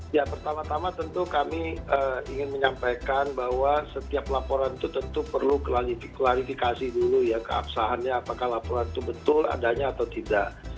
ya pertama tama tentu kami ingin menyampaikan bahwa setiap laporan itu tentu perlu klarifikasi dulu ya keabsahannya apakah laporan itu betul adanya atau tidak